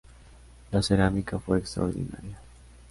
La cerámica fue extraordinaria.